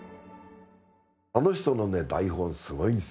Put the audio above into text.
あの人のね台本すごいんですよ。